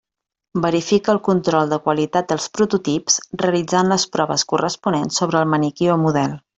Verifica el control de qualitat dels prototips realitzant les proves corresponents sobre el maniquí o model.